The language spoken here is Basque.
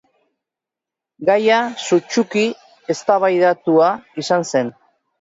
Gaia sutsuki eztabaidatua izan zen.